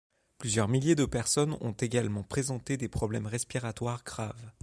Plusieurs milliers de personnes ont également présenté des problèmes respiratoires graves.